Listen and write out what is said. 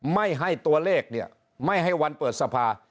ไม่ให้ตัวเลขเนี่ยไม่ให้วันเปิดสภา